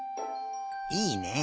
いいね。